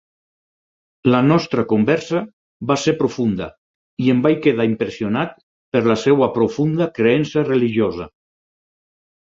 La nostra conversa va ser profunda i em vaig quedar impressionat per la seva profunda creença religiosa.